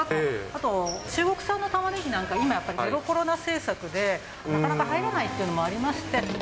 あと中国産のたまねぎなんか、今、やっぱりゼロコロナ政策でなかなか入らないというのもありま